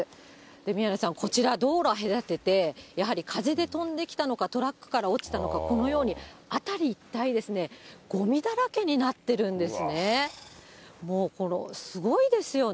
宮根さん、こちら、道路隔てて、やはり風で飛んできたのか、トラックから落ちたのか、このように辺り一帯、ごみだらけになってるんですね。